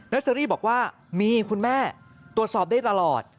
เชอรี่บอกว่ามีคุณแม่ตรวจสอบได้ตลอด